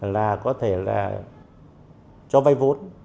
là có thể là cho vay vốn